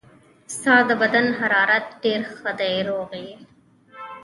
ستا د بدن حرارت ډېر ښه دی، روغ یې.